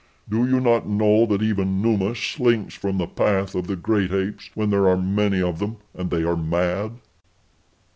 Do you not know that even Numa slinks from the path of the great apes when there are many of them and they are mad?"